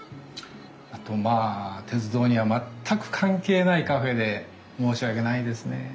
あとまあ鉄道には全く関係ないカフェで申し訳ないですね。